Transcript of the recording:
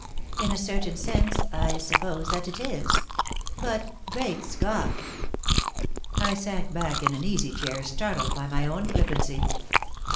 In a certain sense, I suppose that it is. But Great Scott!" I sank back in an easy chair, startled by my own flippancy.